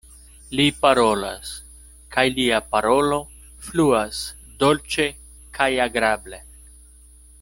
Li parolas, kaj lia parolo fluas dolĉe kaj agrable.